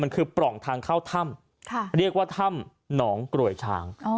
มันคือปล่องทางเข้าถ้ำเรียกว่าถ้ำหนองกลวยช้าง